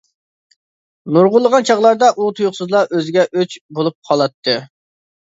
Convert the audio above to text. نۇرغۇنلىغان چاغلاردا، ئۇ تۇيۇقسىزلا ئۆزىگە ئۆچ بولۇپ قالاتتى.